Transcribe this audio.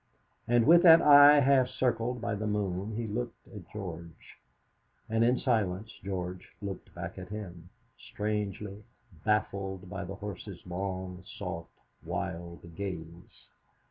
And with that eye half circled by the moon he looked at George, and in silence George looked back at him, strangely baffled by the horse's long, soft, wild gaze.